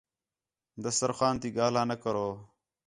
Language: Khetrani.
دستر خواں تی ڳاہلا نہ کرو